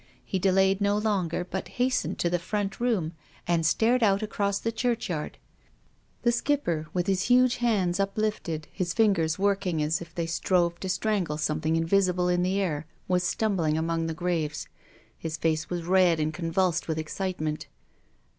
He delayed no longer, but hastened to the front room and stared out across the churchyard. THE GRAVE. I07 The Skipper, with his huge hands uplifted, his fingers working as if they strove to strangle some thing invisible in the air, was stumbling among the graves. His face was red and convulsed with excitement.